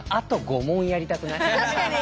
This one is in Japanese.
確かに。